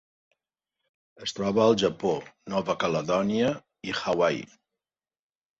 Es troba al Japó, Nova Caledònia i Hawaii.